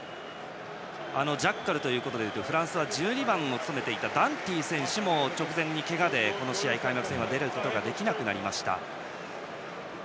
ジャッカルということでいうとフランスは１２番を務めたダンティ選手も直前にけがでこの試合、開幕戦は出ることができなくなりました。